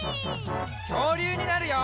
きょうりゅうになるよ！